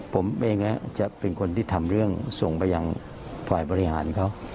ผมเองจะเป็นคนที่ทำเรื่องส่งไปยังฝ่ายบริหารเขา